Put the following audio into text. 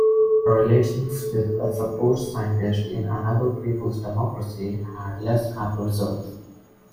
Her relations with a supposed scientist in another "People's Democracy" had less happy results.